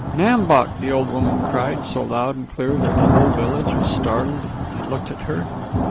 "Nam Bok!" the old woman cried, so loud and clear that the whole village was startled and looked at her.